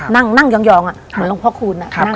นั่งยองเหมือนหลวงพ่อคูณ